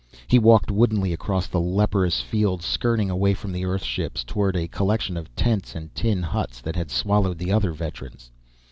He walked woodenly across the leprous field, skirting away from the Earth ships, toward a collection of tents and tin huts that had swallowed the other veterans.